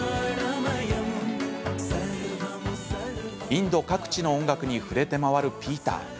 インド各地の音楽に触れて回るピーター。